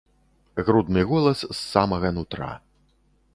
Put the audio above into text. Грудны голас з самага нутра.